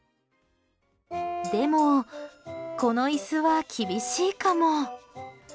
でも、この椅子は厳しいかも。